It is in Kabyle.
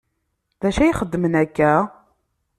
D acu ay xeddmen akka?